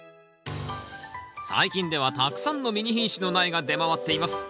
最近ではたくさんのミニ品種の苗が出回っています。